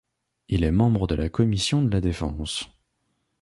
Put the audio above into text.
Il est membre de la commission de la Défense.